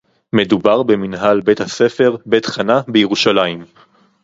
"מדובר במנהל בית-הספר "בית-חנה" בירושלים"